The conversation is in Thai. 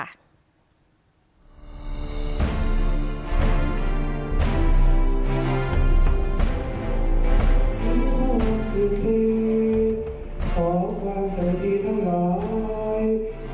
สาธุสาธุสาธุภังฑุภาพิธรรม